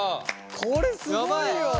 これすごいよ。